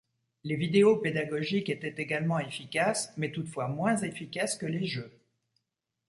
Les vidéos pédagogiques étaient également efficaces, mais toutefois moins efficaces que les jeux.